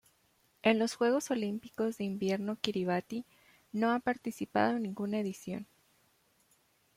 En los Juegos Olímpicos de Invierno Kiribati no ha participado en ninguna edición.